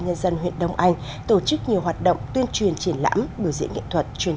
nhân dân huyện đông anh tổ chức nhiều hoạt động tuyên truyền triển lãm biểu diễn nghệ thuật truyền